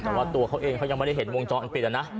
แต่ว่าตัวเขาเองเขายังไม่ได้เห็นวงจรปิดนะ